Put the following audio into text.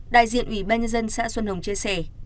đại diện ủy ban nhân dân xã xuân hồng chia sẻ